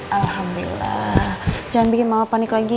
alhamdulillah jangan bikin mama panik lagi